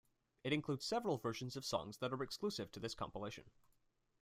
It includes several versions of songs that are exclusive to this compilation.